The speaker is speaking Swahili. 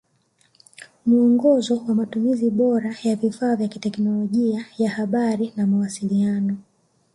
Muongozo wa Matumizi bora ya vifaa vya teknolojia ya habari na mawasiliano